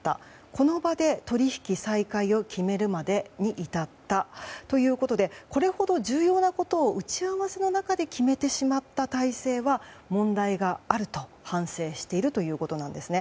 この場で取引再開を決めるまでに至ったということでこれほど重要なことを打ち合わせの中で決めてしまった体制は問題があると反省しているということなんですね。